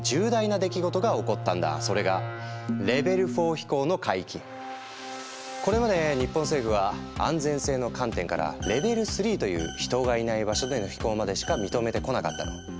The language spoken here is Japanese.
それがこれまで日本政府は安全性の観点からレベル３という人がいない場所での飛行までしか認めてこなかったの。